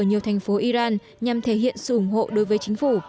đất nước của iran nhằm thể hiện sự ủng hộ đối với chính phủ